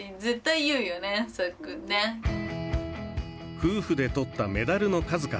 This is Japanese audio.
夫婦でとったメダルの数々。